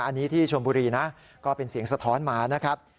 อันนี้ที่ชนบุรีนะก็เป็นเสียงสะท้อนมานะครับ